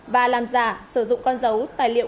và làm giả sử dụng con dấu tài liệu